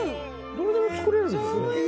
誰でも作れるんですよ。